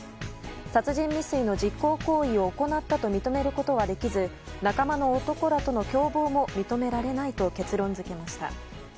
殺人未遂の実行行為を行ったと認めることはできず仲間の男らとの共謀も認められないと結論付けました。